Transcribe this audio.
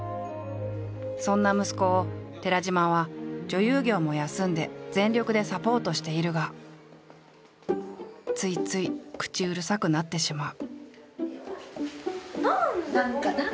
そんな息子を寺島は女優業も休んで全力でサポートしているがついつい口うるさくなってしまう。